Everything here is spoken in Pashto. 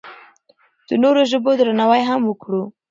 د نورو ژبو درناوی هم وکړو.